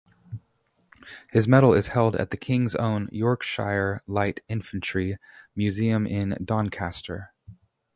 His medal is held at the King's Own Yorkshire Light Infantry Museum in Doncaster.